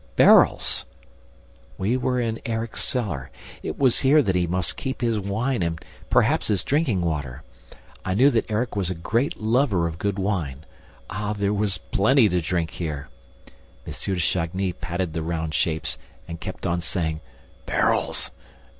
Barrels! We were in Erik's cellar: it was here that he must keep his wine and perhaps his drinking water. I knew that Erik was a great lover of good wine. Ah, there was plenty to drink here! M. de Chagny patted the round shapes and kept on saying: "Barrels!